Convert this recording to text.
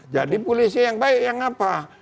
jadi polisi yang baik yang apa